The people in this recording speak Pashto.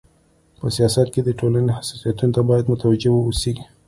په سیاست کي د ټولني حساسيتونو ته بايد متوجي و اوسيږي.